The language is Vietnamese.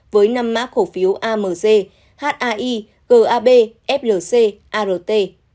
với năm má khổ phiếu amg hai gab flc art